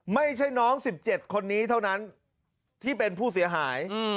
ไม่ใช่น้อง๑๗คนนี้เท่านั้นที่เป็นผู้เสียหาย